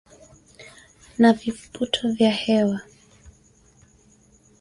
na viputo vya hewa